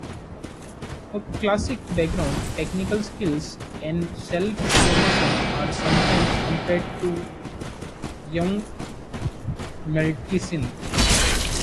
Her classical background, technical skills and self-promotion are sometimes compared to Yngwie Malmsteen.